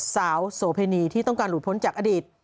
โสเพณีที่ต้องการหลุดพ้นจากอดีต